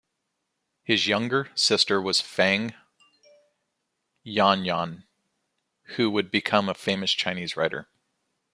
His younger sister was Feng Yuanjun, who would become a famous Chinese writer.